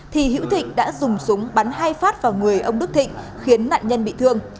thì hiễu thịnh đã dùng súng bắn hai phát vào người ông đức thịnh khiến nạn nhân bị thương